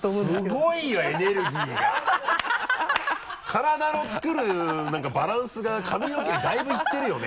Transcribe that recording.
体の作るなんかバランスが髪の毛にだいぶいってるよね。